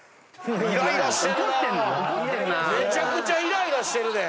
めちゃくちゃイライラしてるで！